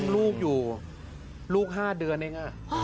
ลูกอยู่๕เดือนเท่านั้น